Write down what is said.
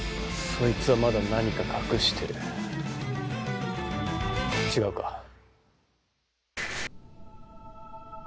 そいつはまだ何か隠してる違うか？